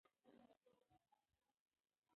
که ځمکه وي نو کور نه ورانیږي.